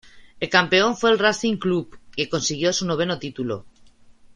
El campeón fue el Racing Club, que consiguió su noveno título.